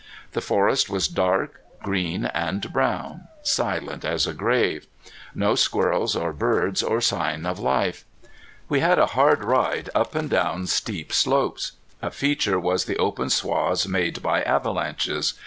The forest was dark, green and brown, silent as a grave. No squirrels or birds or sign of life! We had a hard ride up and down steep slopes. A feature was the open swaths made by avalanches.